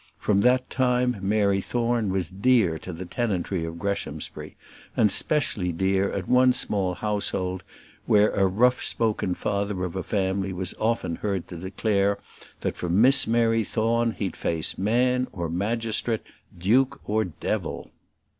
From that time Mary Thorne was dear to the tenantry of Greshamsbury; and specially dear at one small household, where a rough spoken father of a family was often heard to declare, that for Miss Mary Thorne he'd face man or magistrate, duke or devil.